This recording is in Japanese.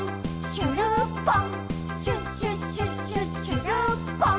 しゅるっぽん！」